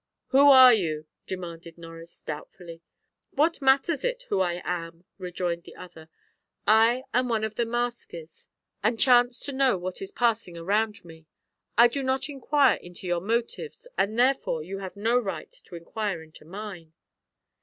"Who are you?" demanded Norris doubtfully. "What matters it who I am?" rejoined the other; "I am one of the masquers, and chance to know what is passing around me. I do not inquire into your motives, and therefore you have no right to inquire into mine."